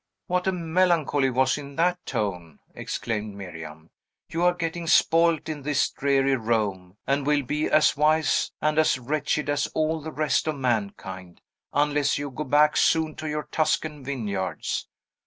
"What a melancholy was in that tone!" exclaimed Miriam. "You are getting spoilt in this dreary Rome, and will be as wise and as wretched as all the rest of mankind, unless you go back soon to your Tuscan vineyards.